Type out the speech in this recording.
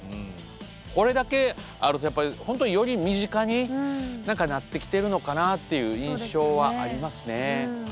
これだけあると本当により身近になってきてるのかなっていう印象はありますね。